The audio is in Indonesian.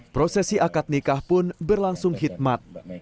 prosesi akad nikah pun berlangsung khidmat